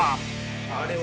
あれは。